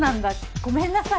ごめんなさい。